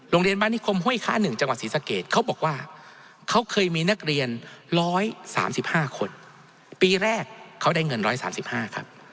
โรงเรียนบ้านนิคมห้วยค้า๑จังหวัดศรีสะเกดเขาบอกว่าเขาเคยมีนักเรียน๑๓๕คนปีแรกเขาได้เงิน๑๓๕ครับ